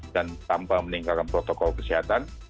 dan tanpa meningkatkan protokol kesehatan